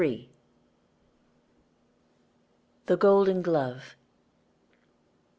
THE GOLDEN GLOVE.